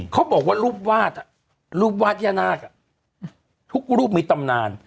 เขาบอกว่ารูปวาดรูปวาดย่านาคทุกรูปมีตำนาน